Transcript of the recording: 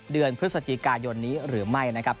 เดือนพฤศจิกายนนี้หรือไม่นะครับ